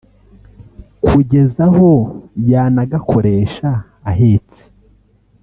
kugeza aho yanagakoresha ahetse